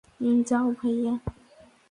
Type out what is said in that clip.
যাও, ভাইয়া।